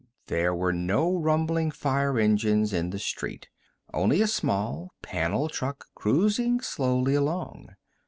There were no rumbling fire engines in the street, only a small panel truck, cruising slowly along.